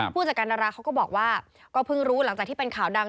ผู้จัดการดาราเขาก็บอกว่าก็เพิ่งรู้หลังจากที่เป็นข่าวดัง